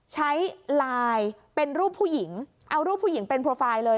ใช้ไลน์เป็นรูปผู้หญิงเอารูปผู้หญิงเป็นโปรไฟล์เลย